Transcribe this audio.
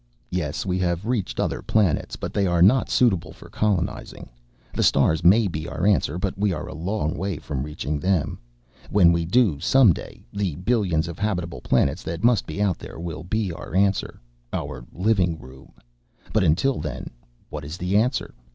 "Yes, we have reached other planets, but they are not suitable for colonizing. The stars may be our answer, but we are a long way from reaching them. When we do, someday, the billions of habitable planets that must be out there will be our answer ... our living room. But until then, what is the answer?